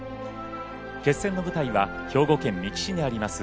決戦の舞台は兵庫県三木市にあります